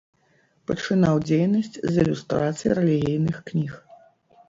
Пачынаў дзейнасць з ілюстрацый рэлігійных кніг.